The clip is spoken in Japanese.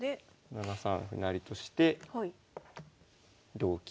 ７三歩成として同金。